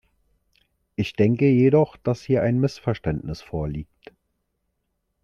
Ich denke jedoch, dass hier ein Missverständnis vorliegt.